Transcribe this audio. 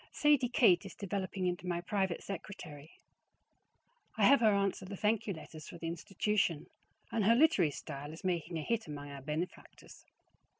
Sadie Kate is developing into my private secretary. I have her answer the thank you letters for the institution, and her literary style is making a hit among our benefactors.